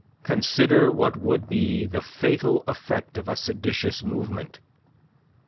Consider what would be the fatal effect of a seditious movement.